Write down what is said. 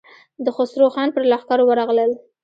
د خسرو خان پر لښکر ورغلل.